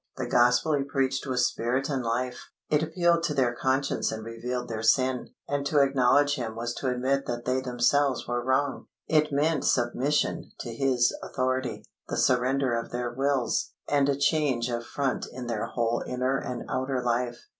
The Gospel He preached was Spirit and life; it appealed to their conscience and revealed their sin, and to acknowledge Him was to admit that they themselves were wrong. It meant submission to His authority, the surrender of their wills, and a change of front in their whole inner and outer life.